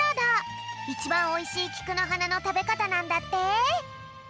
いちばんおいしいきくのはなのたべかたなんだって。